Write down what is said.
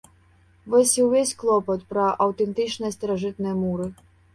Вось і ўвесь клопат пра аўтэнтычныя старажытныя муры.